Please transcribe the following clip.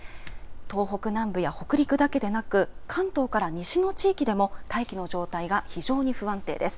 東北南部や北陸だけでなく関東から西の地域でも大気の状態が非常に不安定です。